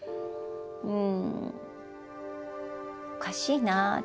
うんおかしいなって。